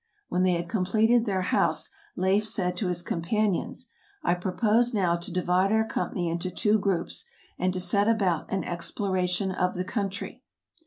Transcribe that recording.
" When they had completed their house, Leif said to his com panions: " I propose now to divide our company into two groups, and to set about an exploration of the country.